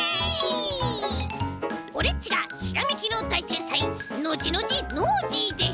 オレっちがひらめきのだいてんさいノジノジノージーです！